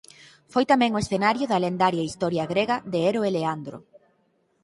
Foi tamén o escenario da lendaria historia grega de Hero e Leandro.